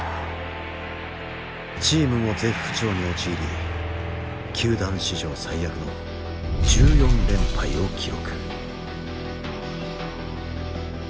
チームも絶不調に陥り球団史上最悪の１４連敗を記録。